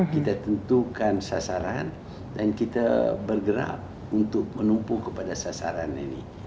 kita tentukan sasaran dan kita bergerak untuk menumpuh kepada sasaran ini